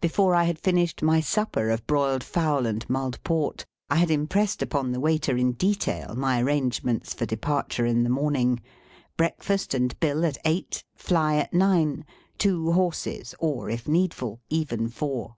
Before I had finished my supper of broiled fowl and mulled port, I had impressed upon the waiter in detail my arrangements for departure in the morning. Breakfast and bill at eight. Fly at nine. Two horses, or, if needful, even four.